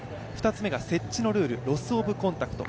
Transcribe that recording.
２つ目が接地のルール、ロス・オブ・コンタクト。